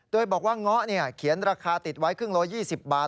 โดยบอกว่าเงาะเขียนราคาติดไว้ครึ่งโล๒๐บาท